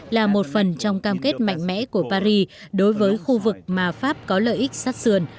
là một phần trong cam kết mạnh mẽ của paris đối với khu vực mà pháp có lợi ích sát sườn